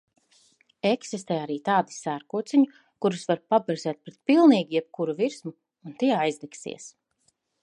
Eksistē arī tādi sērkociņi, kurus var paberzēt pret pilnīgi jebkuru virsmu, un tie aizdegsies.